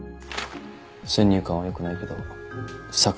先入観はよくないけど逆恨み？